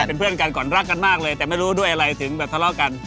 เป็นเพื่อนกันก่อนรักกันมากเลยแต่ไม่รู้ด้วยอะไรถึงแบบทะเลาะกัน